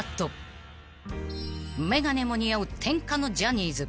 ［眼鏡も似合う天下のジャニーズ］